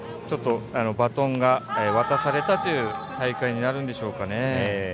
バトンが渡されたという大会になるんでしょうかね。